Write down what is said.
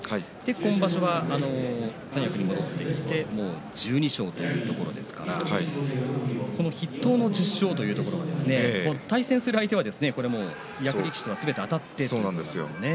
今場所は三役に戻って１２勝というところですから筆頭の１０勝というところが対戦相手はもう役力士はすべてあたってということですからね。